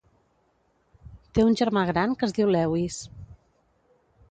Té un germà gran que es diu Lewis.